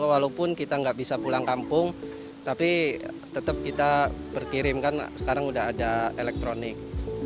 walaupun kita nggak bisa pulang kampung tapi tetep kita berkirim kan sekarang udah ada elektronik